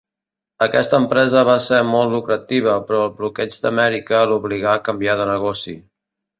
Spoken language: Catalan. Aquesta empresa va ser molt lucrativa però el bloqueig d'Amèrica l'obligà a canviar de negoci.